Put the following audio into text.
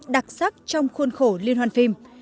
đặc sắc trong khuôn khổ liên hoan phim